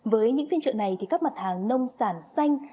với những phiên trợ này các mặt hàng nông sản xanh